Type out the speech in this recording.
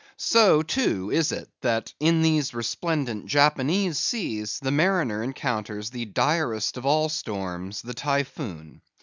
So, too, it is, that in these resplendent Japanese seas the mariner encounters the direst of all storms, the Typhoon.